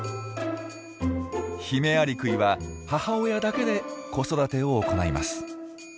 ヒメアリクイは母親だけで子育てを行います。